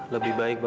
lebih baik bapak